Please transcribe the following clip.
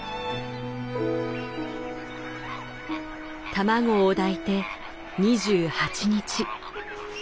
卵を抱いて２８日。